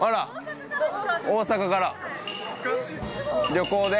旅行で？